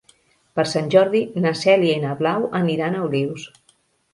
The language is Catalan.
Per Sant Jordi na Cèlia i na Blau aniran a Olius.